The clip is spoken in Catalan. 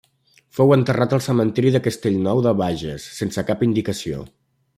Fou enterrat al cementiri de Castellnou de Bages sense cap indicació.